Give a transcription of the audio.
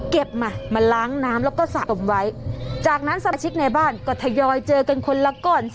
มามาล้างน้ำแล้วก็สะสมไว้จากนั้นสมาชิกในบ้านก็ทยอยเจอกันคนละก้อน